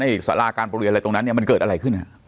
ในสตาราการโปรเรียนตรงนั้นมันเกิดอะไรขึ้น